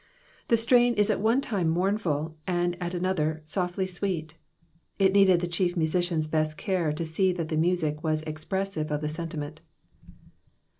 The strain is at one time mournful^ and at another softly sxDea. It needed the chief musician^s best care io see that the music vxis expressive of the sentimetit.